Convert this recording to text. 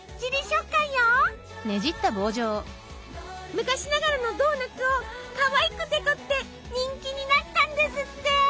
昔ながらのドーナツをかわいくデコって人気になったんですって。